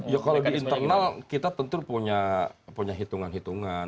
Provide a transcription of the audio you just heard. ya kalau di internal kita tentu punya hitungan hitungan